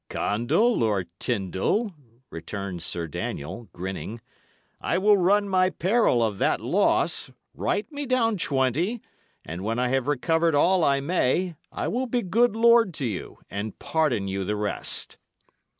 "Condall or Tyndal," returned Sir Daniel, grinning, "I will run my peril of that loss. Write me down twenty, and when I have recovered all I may, I will be good lord to you, and pardon you the rest."